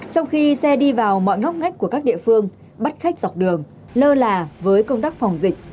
trong khi xe đi vào mọi ngóc ngách của các địa phương bắt khách dọc đường lơ là với công tác phòng dịch